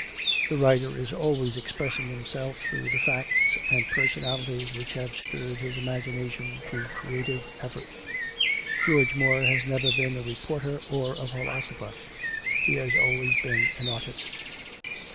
The writer is always expressing himself through the facts and personalities which have stirred his imagination to creative effort. George Moore has never been a reporter or a philosopher; he has always been an artist.